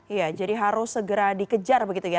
iya jadi harus segera dikejar begitu ya